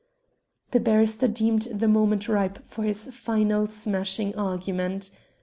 The barrister deemed the moment ripe for his final smashing argument.